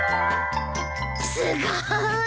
すごーい。